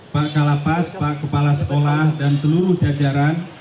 pak kalapas pak kepala sekolah dan seluruh jajaran